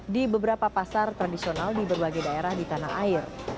di beberapa pasar tradisional di berbagai daerah di tanah air